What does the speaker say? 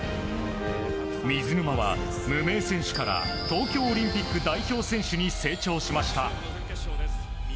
水沼は無名選手から東京オリンピック代表選手に成長しました。